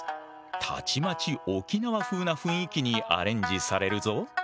たちまち沖縄風な雰囲気にアレンジされるぞ。